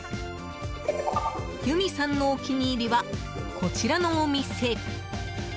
ユミさんのお気に入りはこちらのお店。